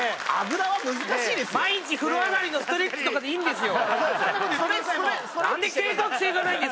毎日風呂上がりのストレッチとかでいいんですよ